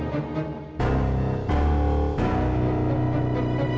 ya tapi lo masih bisa